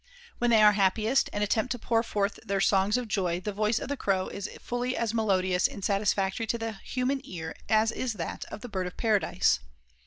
When they are happiest and attempt to pour forth their songs of joy the voice of the Crow is fully as melodious and satisfactory to the human ear as is that of the Bird of Paradise.